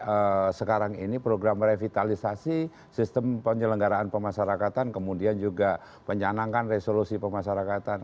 karena sekarang ini program revitalisasi sistem penyelenggaraan pemasarakatan kemudian juga pencanangkan resolusi pemasarakatan